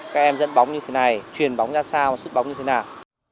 các em dẫn bóng như thế này truyền bóng ra sau xuất bóng như thế nào